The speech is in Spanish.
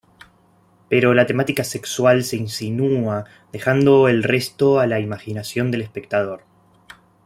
Pero, la temática sexual se insinúa, dejando el resto a la imaginación del espectador.